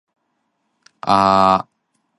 小廢包